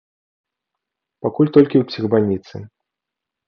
Пакуль толькі у псіхбальніцы.